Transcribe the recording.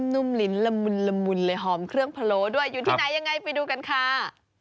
ุ่มลิ้นละมุนละมุนเลยหอมเครื่องพะโล้ด้วยอยู่ที่ไหนยังไงไปดูกันค่ะ